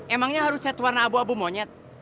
emangnya harus set warna abu abu monyet